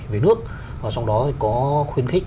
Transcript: và sau đó có khuyên khích